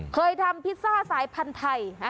เคยทำพิซซ่าสายพันธุ์ไทย